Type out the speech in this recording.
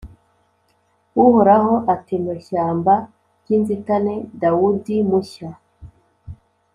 Uhoraho atema ishyamba ry’inzitaneDawudi mushya